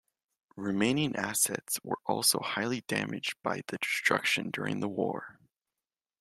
Remaining assets were also highly damaged by the destruction during the war.